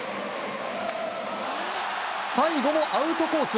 最後もアウトコース。